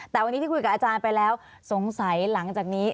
แต่วันนี้ที่คุยกับอาจารย์ไปแล้วสงสัยหลังจากนี้